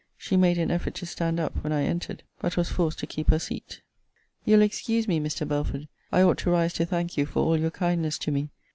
She made an effort to stand up when I entered; but was forced to keep her seat. You'll excuse me, Mr. Belford: I ought to rise to thank you for all your kindness to me.